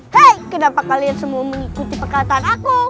hei kenapa kalian mengikuti semua perkataan saya